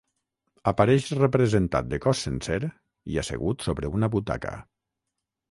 Apareix representat de cos sencer i assegut sobre una butaca.